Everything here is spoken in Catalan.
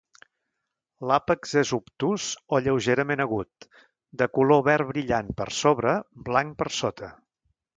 L'àpex és obtús o lleugerament agut, de color verd brillant per sobre, blanc per sota.